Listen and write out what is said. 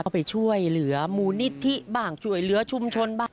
ก็ไปช่วยเหลือมูลนิธิบ้างช่วยเหลือชุมชนบ้าง